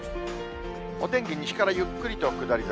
お天気、西からゆっくりと下り坂。